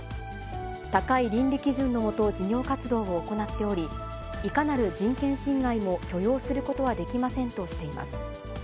高い倫理基準のもと事業活動を行っており、いかなる人権侵害も許容することはできませんとしています。